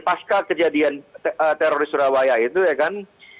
pasca kejadian teroris surabaya itu ya kan